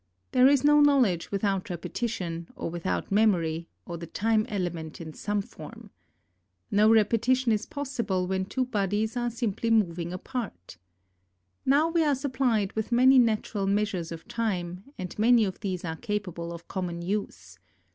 There is no knowledge without repetition, or without memory, or the time element in some form. No repeti tion is possible vi^hen two bodies are simply moving apart. Now we are supplied with many natural measures of time, and many of these are capable of common use.